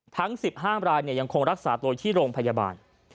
ทั้ง๑๕รายยังคงรักษาตัวที่โรงพยาบาล